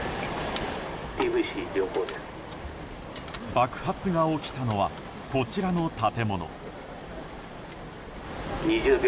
爆発が起きたのはこちらの建物。